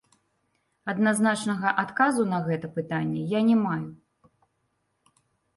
Адназначнага адказу на гэта пытанне я не маю.